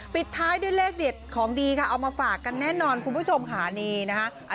ปิดท้ายด้วยเลขเด็ดของดีค่ะเอามาฝากกันแน่นอนคุณผู้ชมค่ะนี่นะคะ